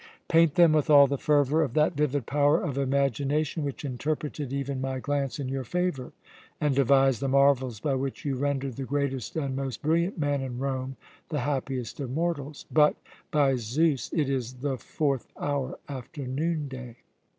"Paint them with all the fervour of that vivid power of imagination which interpreted even my glance in your favour, and devised the marvels by which you rendered the greatest and most brilliant man in Rome the happiest of mortals. But by Zeus! it is the fourth hour after noonday!"